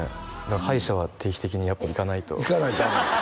歯医者は定期的にやっぱ行かないと行かないとダメ